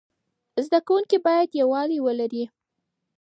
زده کوونکي باید یووالی ولري.